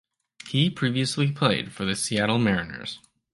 He previously played for the Seattle Mariners.